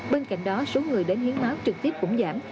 bên cạnh đó số người đến hiến máu trực tiếp cũng giảm